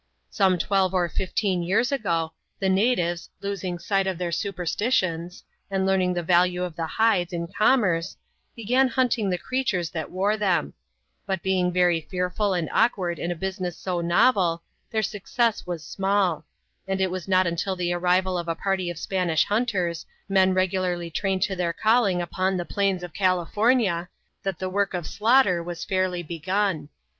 Some twelve or fifteen years ago, the natives, losing sight of their superstitions, and learning the value of the hides in com merce, began hunting the creatures that wore them ; but being very fearful and awkward in a business so novel, their success was small ; and it was not until the arrival of a party of Spanish hunters, men regularly trained to their calling upon the plains of California, that the work of slaughter was fairly begun.